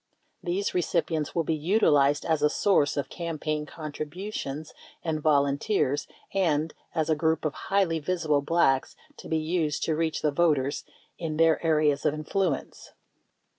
These recipi ents will be utilized as a source of campaign contributions and volunteers, and as a group of highly visible Blacks to be used to reach the voters in their areas of influence.